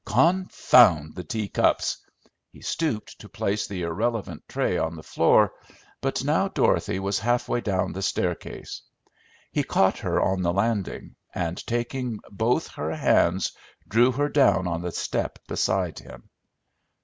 "Confound the tea cups!" He stooped to place the irrelevant tray on the floor, but now Dorothy was halfway down the staircase. He caught her on the landing, and taking both her hands drew her down on the step beside him.